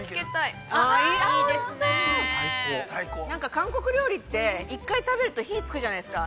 ◆韓国料理って一回食べると火つくじゃないですか。